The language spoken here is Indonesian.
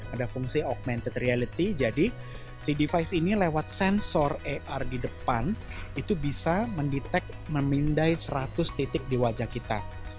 ada fungsi augmented reality jadi si device ini lewat sensor ar di depan itu bisa mendetek memindai seratus titik di wajah kita